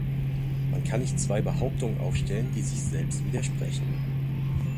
Man kann nicht zwei Behauptungen aufstellen, die sich selbst widersprechen.